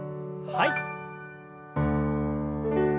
はい。